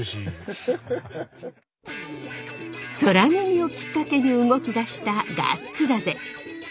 空耳をきっかけに動き出した「ガッツだぜ！！」。